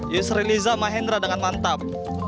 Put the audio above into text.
yusri liza mahendra dengan mantap